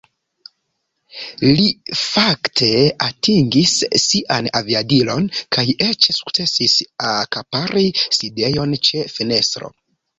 Li fakte atingis sian aviadilon kaj eĉ sukcesis akapari sidejon ĉe fenestro.